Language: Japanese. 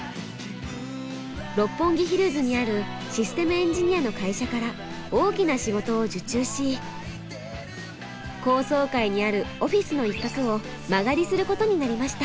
六本木ヒルズにあるシステムエンジニアの会社から大きな仕事を受注し高層階にあるオフィスの一角を間借りすることになりました。